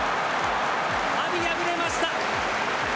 阿炎、敗れました。